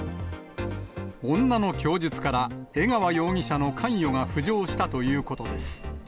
女の供述から江川容疑者の関与が浮上したということです。